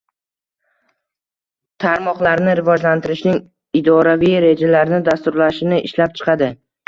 tarmoqlarini rivojlantirishning idoraviy rejalarini dasturlarini ishlab chiqadi;